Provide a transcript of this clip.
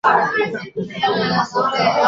参加了中央苏区历次反围剿战争和长征。